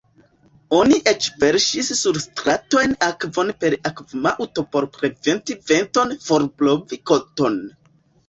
Oni eĉ verŝis sur stratojn akvon per akvumaŭto por preventi venton forblovi koton.